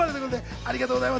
ありがとうございます。